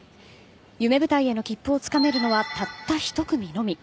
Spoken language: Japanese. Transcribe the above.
夢舞台への切符をつかめるのはたった１組のみ。